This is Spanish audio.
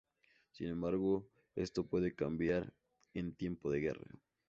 Sin embargo esto puede cambiar en tiempo de guerra.